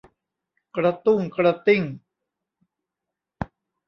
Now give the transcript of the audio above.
กระตุ้งกระติ้ง